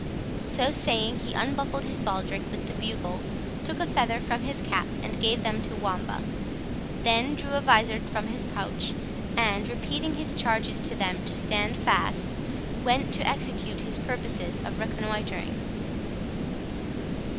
So saying he unbuckled his baldric with the bugle, took a feather from his cap, and gave them to Wamba; then drew a vizard from his pouch, and, repeating his charges to them to stand fast, went to execute his purposes of reconnoitring.